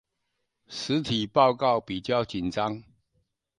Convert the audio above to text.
實體報告比較緊張